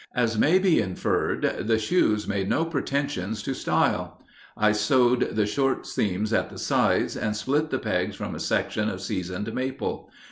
As may be inferred, the shoes made no pretension to style. I sewed the short seams at the sides, and split the pegs from a section of seasoned maple.